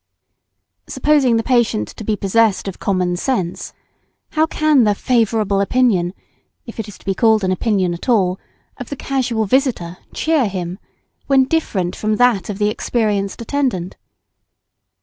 Supposing the patient to be possessed of common sense, how can the "favourable" opinion, if it is to be called an opinion at all, of the casual visitor "cheer" him, when different from that of the experienced attendant?